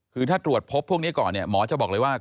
คือถ้าตรวจพบพวกนี้ก่อนเนี่ยหมอจะบอกเลยว่า